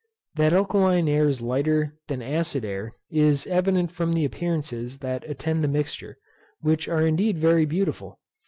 That alkaline air is lighter than acid air is evident from the appearances that attend the mixture, which are indeed very beautiful.